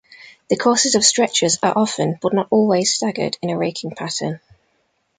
The courses of stretchers are often but not always staggered in a raking pattern.